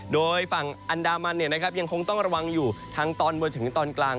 โดยฝั่งอันดามันยังคงต้องระวังอยู่ทางตอนบนถึงตอนกลาง